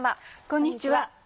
こんにちは。